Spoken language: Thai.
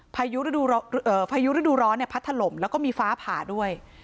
พายุฤดูร้อนพัดถล่มแล้วก็มีฟ้าผ่าด้วย